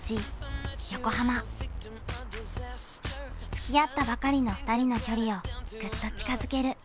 つきあったばかりの２人の距離をグッと近づける。